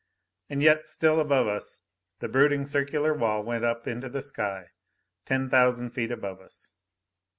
And yet still above us the brooding circular wall went up into the sky. Ten thousand feet above us.